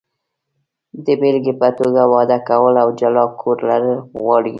د بېلګې په توګه، واده کول او جلا کور لرل غواړي.